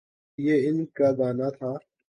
یہ ان کا گناہ تھا۔